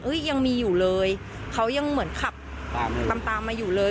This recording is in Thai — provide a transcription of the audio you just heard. ยังมีอยู่เลยเขายังเหมือนขับตามตามมาอยู่เลย